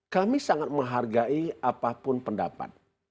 kami sangat menghargai apapun pendapat